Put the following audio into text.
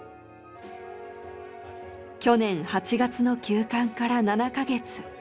去年８月の休館から７カ月。